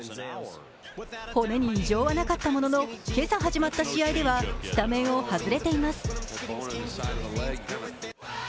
骨に異常はなかったものの今朝始まった試合ではスタメンを外れています。